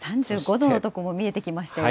３５度の所も見えてきましたよ。